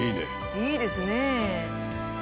いいですね。